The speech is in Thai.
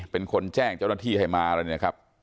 เป็นคนแจ้งเจ้าหน้าที่ให้มาแล้วเนี่ยนะครับ